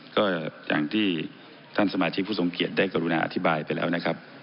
ก็อย่างที่ท่านสมาชิกผู้ทรงเกียจได้กรุณาอธิบายไปแล้วนะครับ